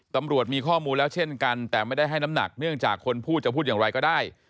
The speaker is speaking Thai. ตำรวจมีข้อมูลแล้วเช่นกันแต่ไม่ได้ให้น้ำหนักเนื่องจากคนพูดจะพูดอย่างไรก็ได้